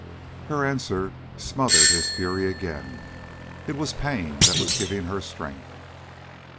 Her answer smothered his fury again. It was pain that was giving her strength.